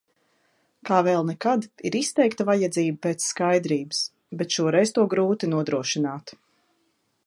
Kā vēl nekad, ir izteikta vajadzība pēc skaidrības. Bet šoreiz to grūti nodrošināt.